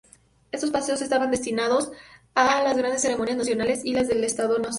Estos paseos estaban destinados a las grandes ceremonias nacionales en la era del Estado-nación.